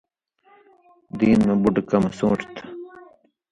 دین مہ بُٹہ کمہٛ سُون٘ݜ تھہ۔